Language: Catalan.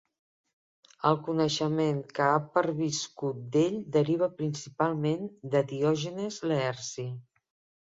El coneixement que ha perviscut d'ell deriva principalment de Diògenes Laerci.